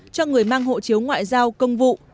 cho người mang hộ chiếu ngoại giao công vụ